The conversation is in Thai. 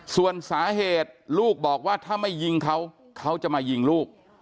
ส่วนสาเหตุลูกบอกว่าถ้าไม่ยิงเขาเขาจะมายิงลูก